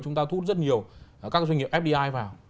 chúng ta thúc rất nhiều các doanh nghiệp fdi vào